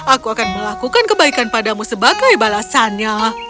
aku akan melakukan kebaikan padamu sebagai balasannya